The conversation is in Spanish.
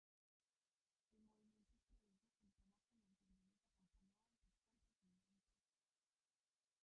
El movimiento introduce el tema con los violines acompañados de cuerdas y vientos.